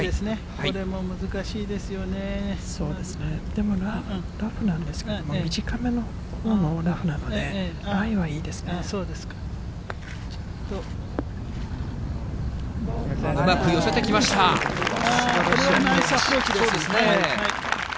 そうですね、でもラフなんですけど、短めのほうのラフなので、ライはいいですね。